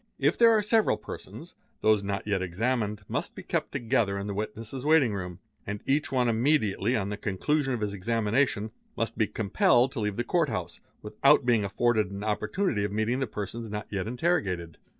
If there are several persons, those not yet examined must be kept together in the © witnesses' waiting room, and each one immediately on the conclusion of his examination must be compelled to leave the Court house, without — being afforded an opportunity of meeting the persons not yet interrogated.